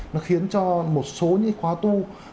nó khiến cho một số những khóa tu